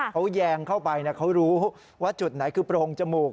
เขาแยงเข้าไปเขารู้ว่าจุดไหนคือโปรงจมูก